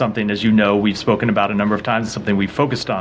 ini adalah hal yang telah kita bicarakan beberapa kali dan yang kita fokuskan